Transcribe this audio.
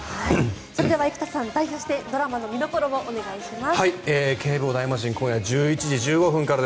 それでは生田さん代表してドラマの見どころをお願いします。